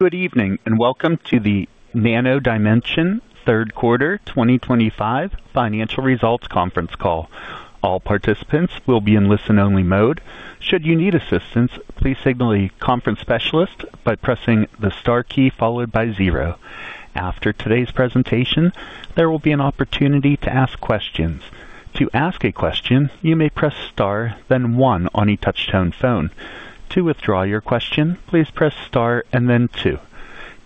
Good evening and welcome to the Nano Dimension third quarter 2025 financial results conference call. All participants will be in listen-only mode. Should you need assistance, please signal a conference specialist by pressing the star key followed by zero. After today's presentation, there will be an opportunity to ask questions. To ask a question, you may press star, then one on a touch-tone phone. To withdraw your question, please press star and then two.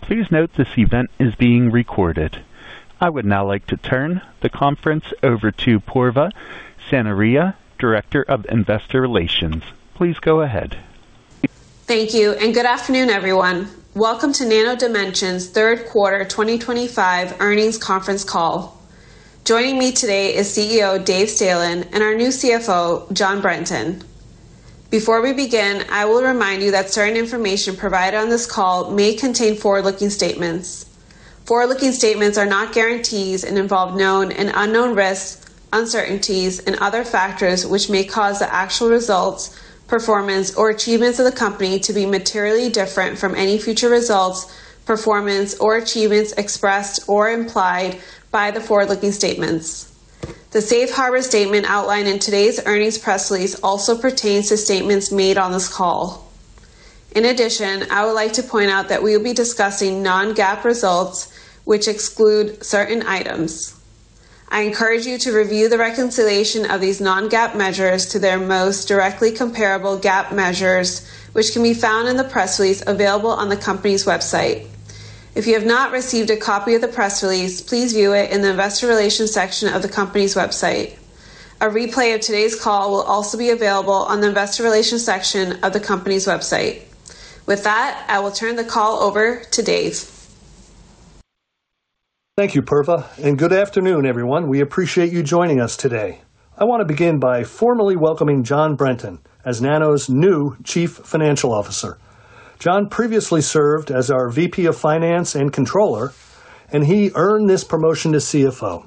Please note this event is being recorded. I would now like to turn the conference over to Purva Sanariya, Director of Investor Relations. Please go ahead. Thank you, and good afternoon, everyone. Welcome to Nano Dimension's third quarter 2025 earnings conference call. Joining me today is CEO David Stehlin, and our new CFO, John Brenton. Before we begin, I will remind you that certain information provided on this call may contain forward-looking statements. Forward-looking statements are not guarantees and involve known and unknown risks, uncertainties, and other factors which may cause the actual results, performance, or achievements of the company to be materially different from any future results, performance, or achievements expressed or implied by the forward-looking statements. The safe harbor statement outlined in today's earnings press release also pertains to statements made on this call. In addition, I would like to point out that we will be discussing non-GAAP results, which exclude certain items. I encourage you to review the reconciliation of these non-GAAP measures to their most directly comparable GAAP measures, which can be found in the press release available on the company's website. If you have not received a copy of the press release, please view it in the investor relations section of the company's website. A replay of today's call will also be available on the investor relations section of the company's website. With that, I will turn the call over to Dave. Thank you, Purva, and good afternoon, everyone. We appreciate you joining us today. I want to begin by formally welcoming John Brenton as Nano Dimension's new Chief Financial Officer. John previously served as our VP of Finance and Controller, and he earned this promotion to CFO.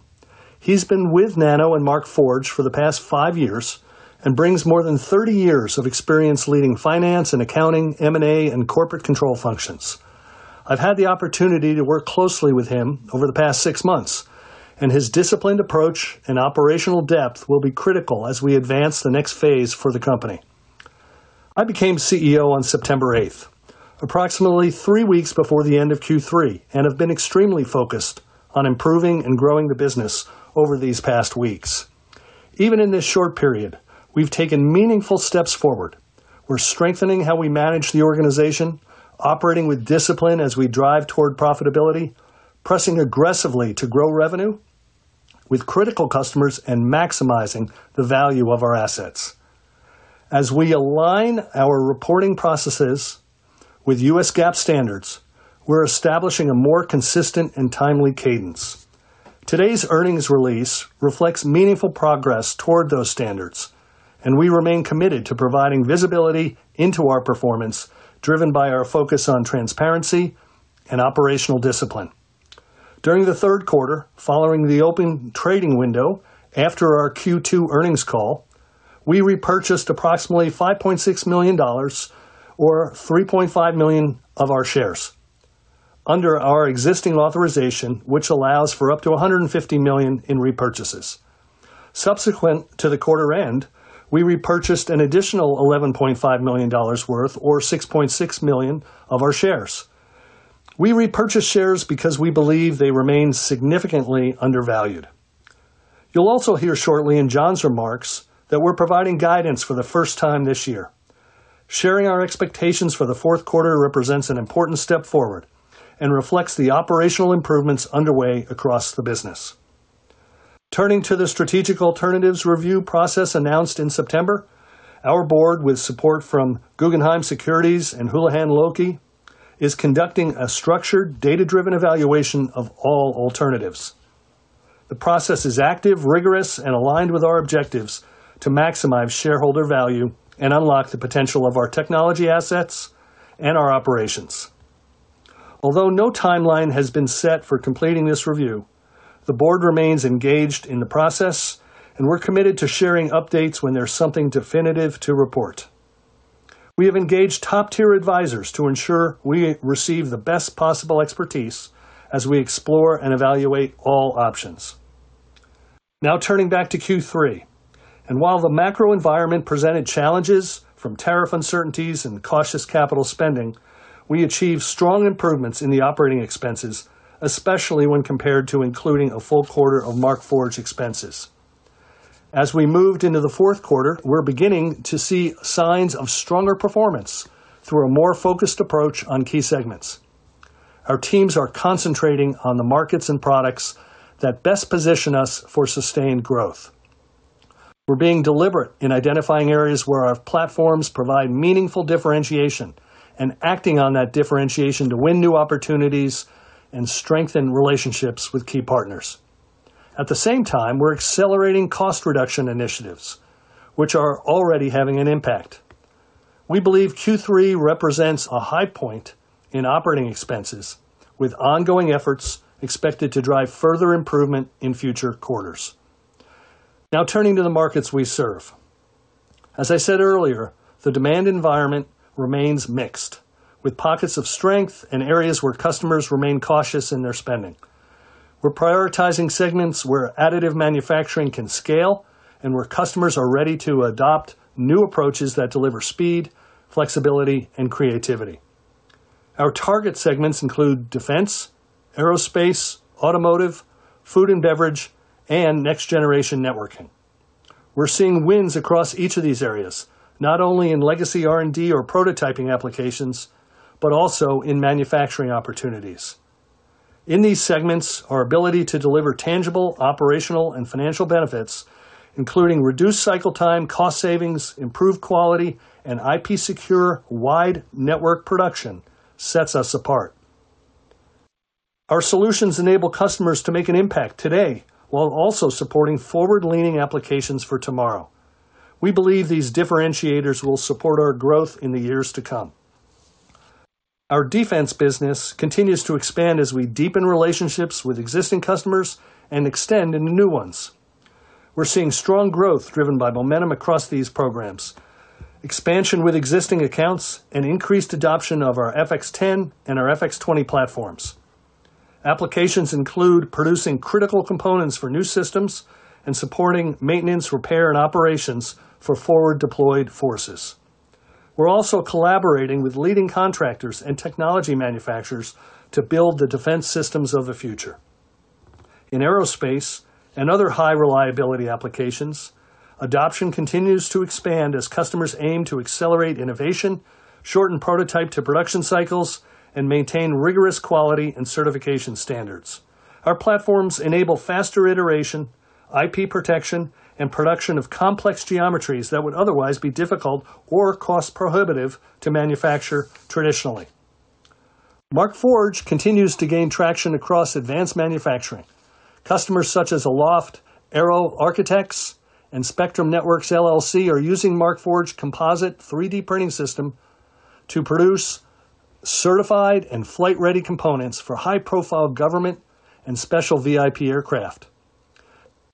He's been with Nano Dimension and Markforged for the past five years and brings more than 30 years of experience leading finance and accounting, M&A, and corporate control functions. I've had the opportunity to work closely with him over the past six months, and his disciplined approach and operational depth will be critical as we advance the next phase for the company. I became CEO on September 8th, approximately three weeks before the end of Q3, and have been extremely focused on improving and growing the business over these past weeks. Even in this short period, we've taken meaningful steps forward. We're strengthening how we manage the organization, operating with discipline as we drive toward profitability, pressing aggressively to grow revenue with critical customers, and maximizing the value of our assets. As we align our reporting processes with US GAAP standards, we're establishing a more consistent and timely cadence. Today's earnings release reflects meaningful progress toward those standards, and we remain committed to providing visibility into our performance, driven by our focus on transparency and operational discipline. During the third quarter, following the open trading window after our Q2 earnings call, we repurchased approximately $5.6 million, or $3.5 million, of our shares under our existing authorization, which allows for up to $150 million in repurchases. Subsequent to the quarter end, we repurchased an additional $11.5 million worth, or $6.6 million, of our shares. We repurchased shares because we believe they remain significantly undervalued. You'll also hear shortly in John's remarks that we're providing guidance for the first time this year. Sharing our expectations for the fourth quarter represents an important step forward and reflects the operational improvements underway across the business. Turning to the strategic alternatives review process announced in September, our board, with support from Guggenheim Securities and Houlihan Lokey, is conducting a structured, data-driven evaluation of all alternatives. The process is active, rigorous, and aligned with our objectives to maximize shareholder value and unlock the potential of our technology assets and our operations. Although no timeline has been set for completing this review, the board remains engaged in the process, and we're committed to sharing updates when there's something definitive to report. We have engaged top-tier advisors to ensure we receive the best possible expertise as we explore and evaluate all options. Now, turning back to Q3, and while the macro environment presented challenges from tariff uncertainties and cautious capital spending, we achieved strong improvements in the operating expenses, especially when compared to including a full quarter of Markforged expenses. As we moved into the fourth quarter, we're beginning to see signs of stronger performance through a more focused approach on key segments. Our teams are concentrating on the markets and products that best position us for sustained growth. We're being deliberate in identifying areas where our platforms provide meaningful differentiation and acting on that differentiation to win new opportunities and strengthen relationships with key partners. At the same time, we're accelerating cost reduction initiatives, which are already having an impact. We believe Q3 represents a high point in operating expenses, with ongoing efforts expected to drive further improvement in future quarters. Now, turning to the markets we serve. As I said earlier, the demand environment remains mixed, with pockets of strength and areas where customers remain cautious in their spending. We're prioritizing segments where additive manufacturing can scale, and where customers are ready to adopt new approaches that deliver speed, flexibility, and creativity. Our target segments include defense, aerospace, automotive, food and beverage, and next-generation networking. We're seeing wins across each of these areas, not only in legacy R&D or prototyping applications, but also in manufacturing opportunities. In these segments, our ability to deliver tangible, operational, and financial benefits, including reduced cycle time, cost savings, improved quality, and IP-secure wide network production, sets us apart. Our solutions enable customers to make an impact today while also supporting forward-leaning applications for tomorrow. We believe these differentiators will support our growth in the years to come. Our defense business continues to expand as we deepen relationships with existing customers and extend into new ones. We're seeing strong growth driven by momentum across these programs, expansion with existing accounts, and increased adoption of our FX10 and our FX20 platforms. Applications include producing critical components for new systems and supporting maintenance, repair, and operations for forward-deployed forces. We're also collaborating with leading contractors and technology manufacturers to build the defense systems of the future. In aerospace and other high-reliability applications, adoption continues to expand as customers aim to accelerate innovation, shorten prototype-to-production cycles, and maintain rigorous quality and certification standards. Our platforms enable faster iteration, IP protection, and production of complex geometries that would otherwise be difficult or cost-prohibitive to manufacture traditionally. Markforged continues to gain traction across advanced manufacturing. Customers such as Aloft Aero Architects and Spectrum Networks LLC are using Markforged Composite 3D Printing System to produce certified and flight-ready components for high-profile government and special VIP aircraft.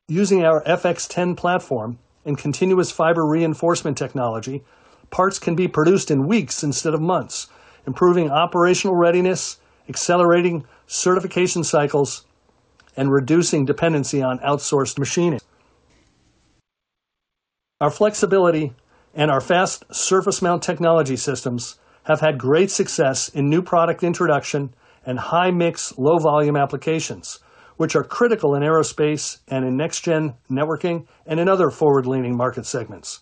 Using our FX10 platform and continuous fiber reinforcement technology, parts can be produced in weeks instead of months, improving operational readiness, accelerating certification cycles, and reducing dependency on outsourced machining. Our flexibility and our fast surface mount technology systems have had great success in new product introduction and high-mix, low-volume applications, which are critical in aerospace and in next-gen networking and in other forward-leaning market segments.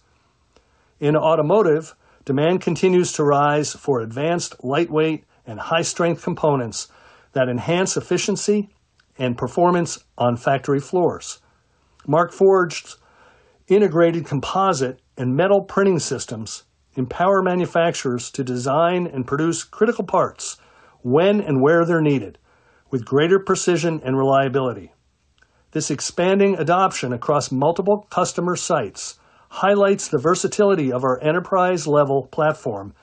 In automotive, demand continues to rise for advanced, lightweight, and high-strength components that enhance efficiency and performance on factory floors. Markforged's integrated composite and metal printing systems empower manufacturers to design and produce critical parts when and where they're needed, with greater precision and reliability. This expanding adoption across multiple customer sites highlights the versatility of our enterprise-level platform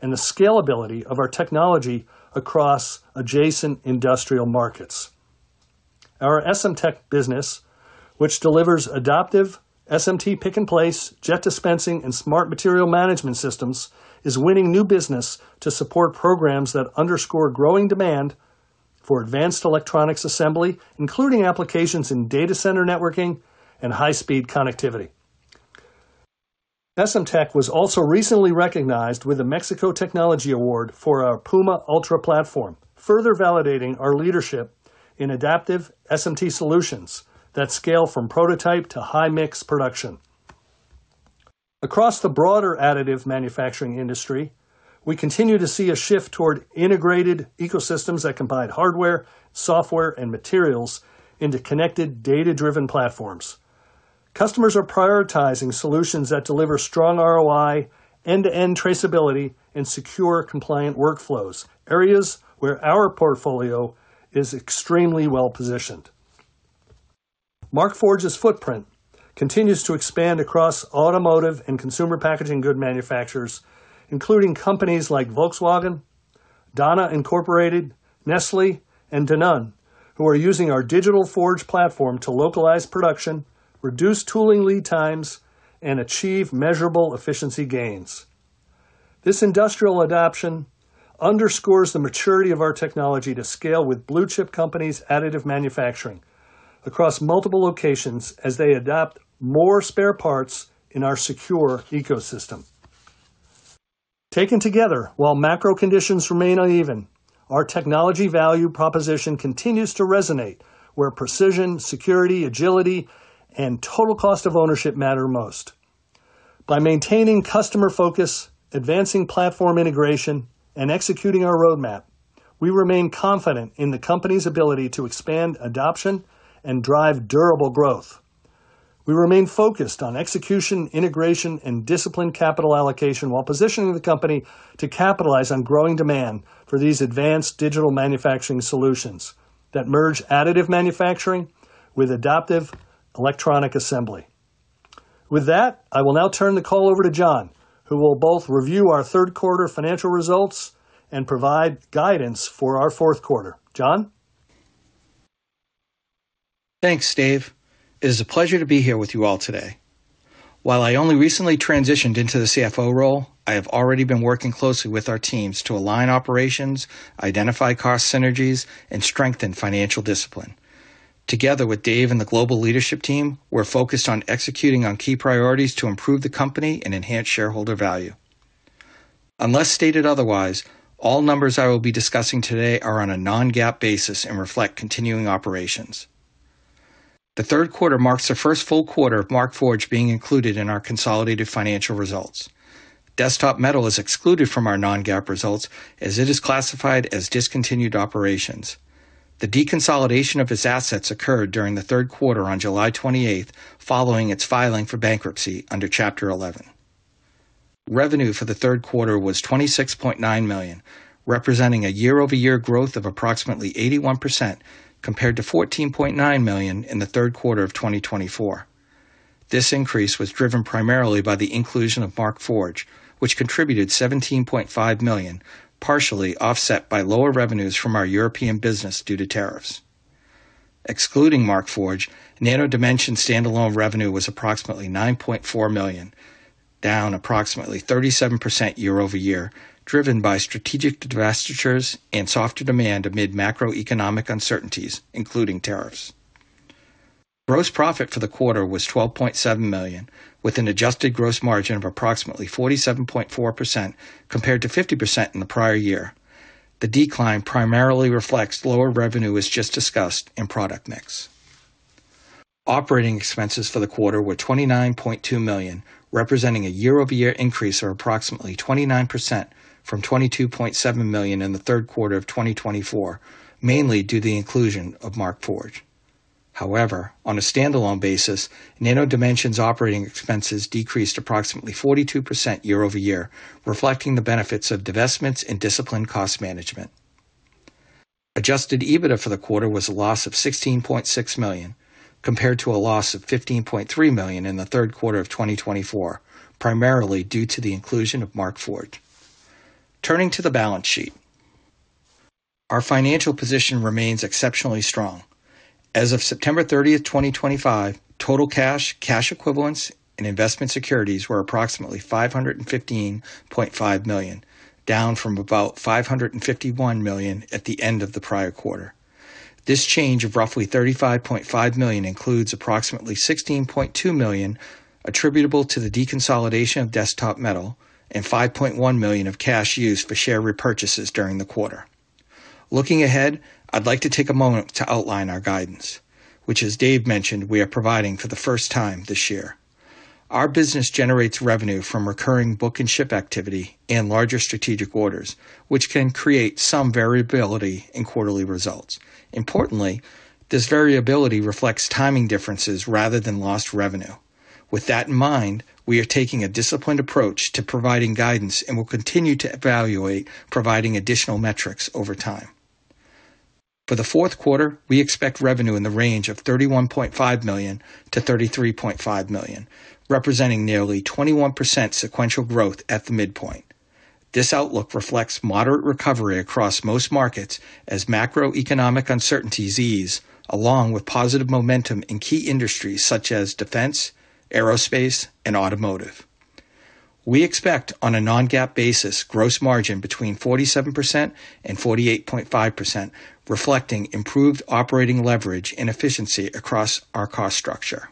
and the scalability of our technology across adjacent industrial markets. Our SMTech business, which delivers adaptive SMT pick-and-place, jet dispensing, and smart material management systems, is winning new business to support programs that underscore growing demand for advanced electronics assembly, including applications in data center networking and high-speed connectivity. SMTech was also recently recognized with a Mexico Technology Award for our PUMA Ultra platform, further validating our leadership in adaptive SMT solutions that scale from prototype to high-mix production. Across the broader additive manufacturing industry, we continue to see a shift toward integrated ecosystems that combine hardware, software, and materials into connected, data-driven platforms. Customers are prioritizing solutions that deliver strong ROI, end-to-end traceability, and secure, compliant workflows, areas where our portfolio is extremely well-positioned. Markforged's footprint continues to expand across automotive and consumer packaging goods manufacturers, including companies like Volkswagen, Dana Incorporated, Nestlé, and Danone, who are using our Digital Forge platform to localize production, reduce tooling lead times, and achieve measurable efficiency gains. This industrial adoption underscores the maturity of our technology to scale with blue-chip companies' additive manufacturing across multiple locations as they adopt more spare parts in our secure ecosystem. Taken together, while macro conditions remain uneven, our technology value proposition continues to resonate where precision, security, agility, and total cost of ownership matter most. By maintaining customer focus, advancing platform integration, and executing our roadmap, we remain confident in the company's ability to expand adoption and drive durable growth. We remain focused on execution, integration, and disciplined capital allocation while positioning the company to capitalize on growing demand for these advanced digital manufacturing solutions that merge additive manufacturing with adaptive electronic assembly. With that, I will now turn the call over to John, who will both review our third quarter financial results and provide guidance for our fourth quarter. John? Thanks, Dave. It is a pleasure to be here with you all today. While I only recently transitioned into the CFO role, I have already been working closely with our teams to align operations, identify cost synergies, and strengthen financial discipline. Together with Dave and the global leadership team, we're focused on executing on key priorities to improve the company and enhance shareholder value. Unless stated otherwise, all numbers I will be discussing today are on a non-GAAP basis and reflect continuing operations. The third quarter marks the first full quarter of Markforged being included in our consolidated financial results. Desktop Metal is excluded from our non-GAAP results as it is classified as discontinued operations. The deconsolidation of its assets occurred during the third quarter on July 28, following its filing for bankruptcy under Chapter 11. Revenue for the third quarter was $26.9 million, representing a year-over-year growth of approximately 81% compared to $14.9 million in the third quarter of 2024. This increase was driven primarily by the inclusion of Markforged, which contributed $17.5 million, partially offset by lower revenues from our European business due to tariffs. Excluding Markforged, Nano Dimension's standalone revenue was approximately $9.4 million, down approximately 37% year-over-year, driven by strategic divestitures and softer demand amid macroeconomic uncertainties, including tariffs. Gross profit for the quarter was $12.7 million, with an adjusted gross margin of approximately 47.4% compared to 50% in the prior year. The decline primarily reflects lower revenue, as just discussed, and product mix. Operating expenses for the quarter were $29.2 million, representing a year-over-year increase of approximately 29% from $22.7 million in the third quarter of 2024, mainly due to the inclusion of Markforged. However, on a standalone basis, Nano Dimension's operating expenses decreased approximately 42% year-over-year, reflecting the benefits of divestments and disciplined cost management. Adjusted EBITDA for the quarter was a loss of $16.6 million compared to a loss of $15.3 million in the third quarter of 2024, primarily due to the inclusion of Markforged. Turning to the balance sheet, our financial position remains exceptionally strong. As of September 30th, 2025, total cash, cash equivalents, and investment securities were approximately $515.5 million, down from about $551 million at the end of the prior quarter. This change of roughly $35.5 million includes approximately $16.2 million attributable to the deconsolidation of Desktop Metal and $5.1 million of cash used for share repurchases during the quarter. Looking ahead, I'd like to take a moment to outline our guidance, which, as Dave mentioned, we are providing for the first time this year. Our business generates revenue from recurring book and ship activity and larger strategic orders, which can create some variability in quarterly results. Importantly, this variability reflects timing differences rather than lost revenue. With that in mind, we are taking a disciplined approach to providing guidance and will continue to evaluate providing additional metrics over time. For the fourth quarter, we expect revenue in the range of $31.5 million-$33.5 million, representing nearly 21% sequential growth at the midpoint. This outlook reflects moderate recovery across most markets as macroeconomic uncertainties ease, along with positive momentum in key industries such as defense, aerospace, and automotive. We expect, on a non-GAAP basis, gross margin between 47%-48.5%, reflecting improved operating leverage and efficiency across our cost structure.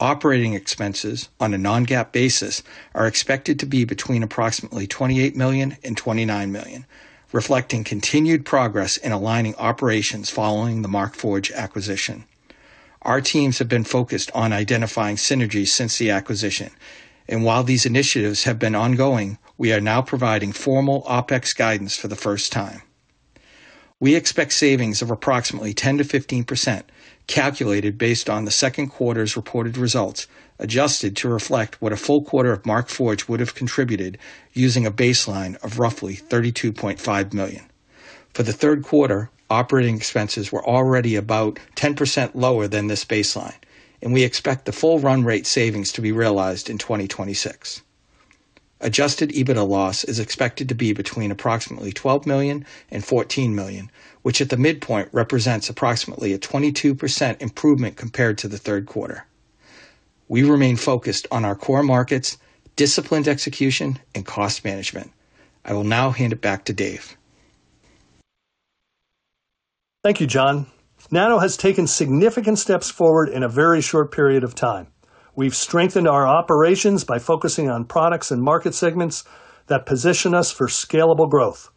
Operating expenses, on a non-GAAP basis, are expected to be between approximately $28 million and $29 million, reflecting continued progress in aligning operations following the Markforged acquisition. Our teams have been focused on identifying synergies since the acquisition, and while these initiatives have been ongoing, we are now providing formal OPEX guidance for the first time. We expect savings of approximately 10%-15%, calculated based on the second quarter's reported results, adjusted to reflect what a full quarter of Markforged would have contributed using a baseline of roughly $32.5 million. For the third quarter, operating expenses were already about 10% lower than this baseline, and we expect the full run rate savings to be realized in 2026. Adjusted EBITDA loss is expected to be between approximately $12 million and $14 million, which at the midpoint represents approximately a 22% improvement compared to the third quarter. We remain focused on our core markets, disciplined execution, and cost management. I will now hand it back to Dave. Thank you, John. Nano has taken significant steps forward in a very short period of time. We've strengthened our operations by focusing on products and market segments that position us for scalable growth.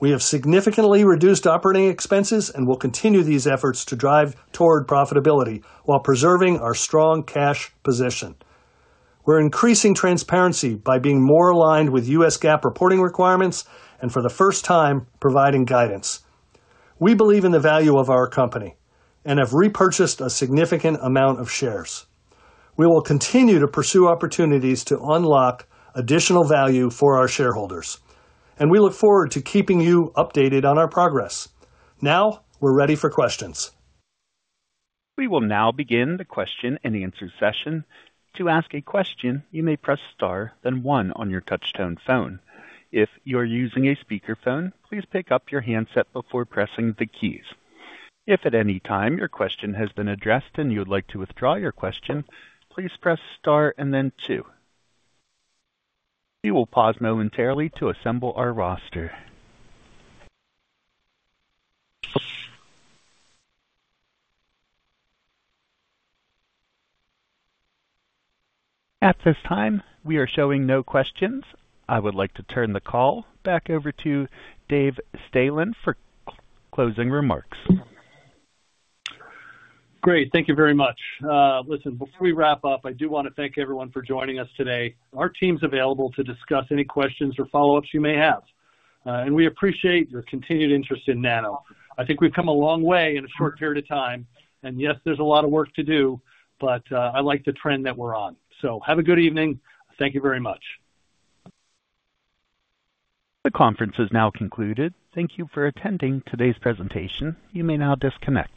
We have significantly reduced operating expenses and will continue these efforts to drive toward profitability while preserving our strong cash position. We're increasing transparency by being more aligned with US GAAP reporting requirements and, for the first time, providing guidance. We believe in the value of our company and have repurchased a significant amount of shares. We will continue to pursue opportunities to unlock additional value for our shareholders, and we look forward to keeping you updated on our progress. Now we're ready for questions. We will now begin the question and answer session. To ask a question, you may press star, then one on your touch-tone phone. If you're using a speakerphone, please pick up your handset before pressing the keys. If at any time your question has been addressed and you'd like to withdraw your question, please press star and then two. We will pause momentarily to assemble our roster. At this time, we are showing no questions. I would like to turn the call back over to David Stehlin for closing remarks. Great. Thank you very much. Listen, before we wrap up, I do want to thank everyone for joining us today. Our team's available to discuss any questions or follow-ups you may have, and we appreciate your continued interest in Nano Dimension. I think we've come a long way in a short period of time, and yes, there's a lot of work to do, but I like the trend that we're on. Have a good evening. Thank you very much. The conference is now concluded. Thank you for attending today's presentation. You may now disconnect.